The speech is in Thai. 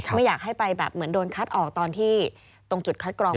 ไม่อยากให้ไปแบบเหมือนโดนคัดออกตอนที่ตรงจุดคัดกรอง